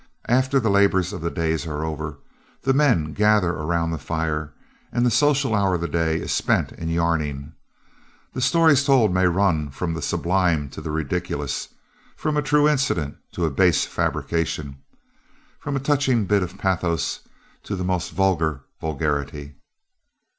After the labors of the day are over, the men gather around the fire, and the social hour of the day is spent in yarning. The stories told may run from the sublime to the ridiculous, from a true incident to a base fabrication, or from a touching bit of pathos to the most vulgar vulgarity.